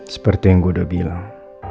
seperti yang gue udah bilang